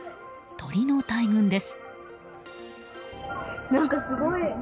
鳥の大群です。